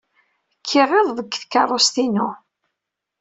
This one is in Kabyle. Kkiɣ iḍ deg tkeṛṛust-inu.